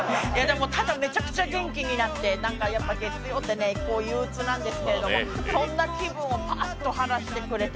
ただめちゃくちゃ元気になって、月曜って憂鬱なんですけども、そんな気分をパーって払ってくれて。